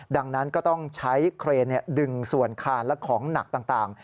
ดังนั้นก็ต้องใช้เครนดึงส่วนคานและของหนักต่าง